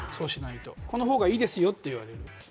この方がいいですよと言われる。